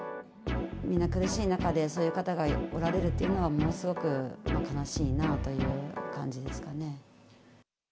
みんな苦しい中で、そういう方がおられるっていうのが、ものすごく悲しいなという感じですね。